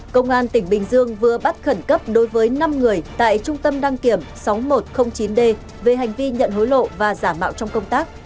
công an tỉnh bình dương vừa bắt khẩn cấp đối với năm người tại trung tâm đăng kiểm sáu nghìn một trăm linh chín d về hành vi nhận hối lộ và giả mạo trong công tác